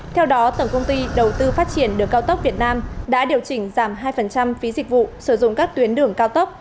theo đó tổng công ty đầu tư phát triển đường cao tốc việt nam đã điều chỉnh giảm hai phí dịch vụ sử dụng các tuyến đường cao tốc